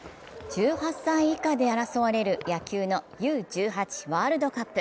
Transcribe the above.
１８歳以下で争われる野球のＵ−１８ワールドカップ。